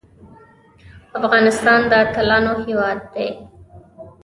افغانستان د اتلانو هیواد دی